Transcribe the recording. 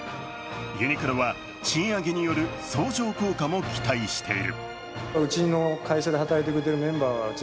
ユニクロは、賃上げによる相乗効果も期待している。